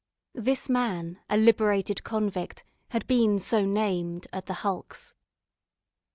This man, a liberated convict, had been so named at the hulks.